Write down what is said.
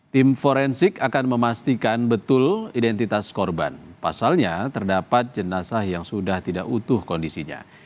tim forensik akan memastikan betul identitas korban pasalnya terdapat jenazah yang sudah tidak utuh kondisinya